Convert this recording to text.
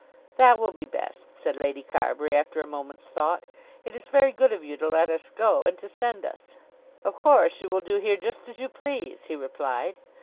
"That will be best," said Lady Carbury after a moment's thought. "It is very good of you to let us go, and to send us." "Of course you will do here just as you please," he replied.